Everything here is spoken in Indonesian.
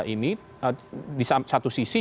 ini di satu sisi